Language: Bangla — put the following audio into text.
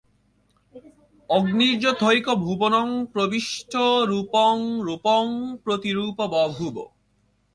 অগ্নির্যথৈকো ভুবনং প্রবিষ্টো রূপং রূপং প্রতিরূপো বভূব।